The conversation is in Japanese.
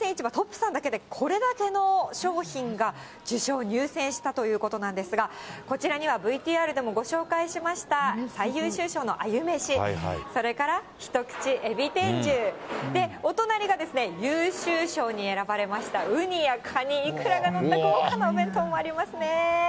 さんだけで、これだけの商品が受賞、入選したということなんですが、こちらにはＶＴＲでもご紹介しました、最優秀賞のあゆ飯、それから一口海老天重、で、お隣が優秀賞に選ばれました、ウニやカニ、イクラが載った豪華なお弁当もありますね。